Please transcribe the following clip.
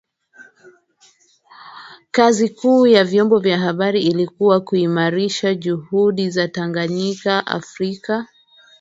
kazi kuu ya vyombo vya habari ilikuwa kuimarisha juhudi za Tanganyika Afrika